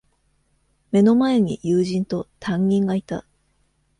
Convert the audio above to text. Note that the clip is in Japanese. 目の前に友人と、担任がいた。